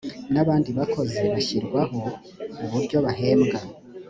n abandi bakozi bashyirwaho uburyo bahembwa